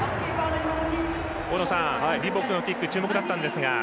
大野さん、リボックのキック注目だったんですが。